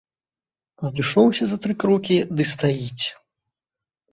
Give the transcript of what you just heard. Адышоўся за тры крокі ды стаіць.